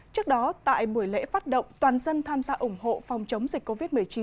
trước đó tại buổi lễ phát động toàn dân tham gia ủng hộ phòng chống dịch covid một mươi chín